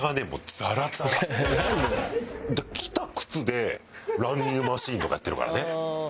来た靴でランニングマシンとかやってるからね。